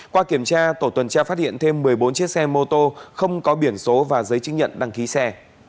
qua kiểm tra tổ tuần tra phát hiện thêm một mươi bốn chiếc xe mô tô không có biển số và giấy chứng nhận đăng ký xe